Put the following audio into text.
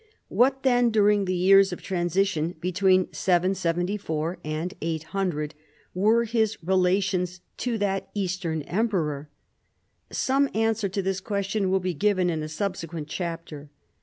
What, then, during the years of transition be tween 774 and 800, were his relations to that east ern emperor ? Some answer to this question will be given in a subsequent chapter.